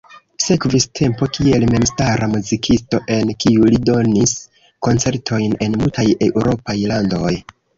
Sekvis tempo kiel memstara muzikisto, en kiu li donis koncertojn en multaj eŭropaj landoj.